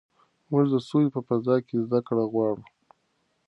موږ د سولې په فضا کې زده کړه غواړو.